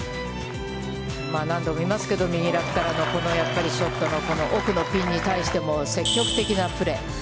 何度も言いますけど、右ラフからのショットの奥のピンに対しても、積極的なプレー。